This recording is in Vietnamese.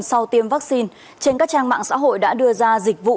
sau tiêm vaccine trên các trang mạng xã hội đã đưa ra dịch vụ